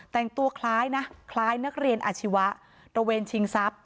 แต่งตัวคล้ายนะคล้ายนักเรียนอาชีวะตระเวนชิงทรัพย์